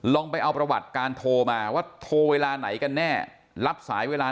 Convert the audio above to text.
ไปเอาประวัติการโทรมาว่าโทรเวลาไหนกันแน่รับสายเวลา